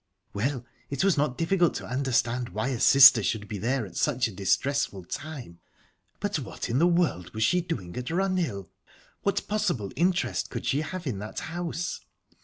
Well, it was not difficult to understand why a sister should be there at such a distressful time but what in the world was she doing at Runhill? What possible interest could she have in that house?